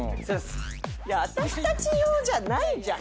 私たち用じゃないじゃん。